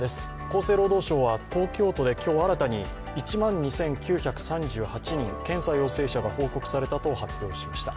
厚生労働省は東京都で今日新たに１万２９３８人、検査陽性者が報告されたと発表しました。